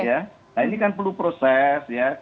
nah ini kan perlu proses ya